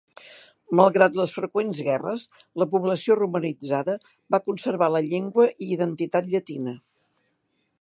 Malgrat les freqüents guerres, la població romanitzada va conservar la llengua i identitat llatina.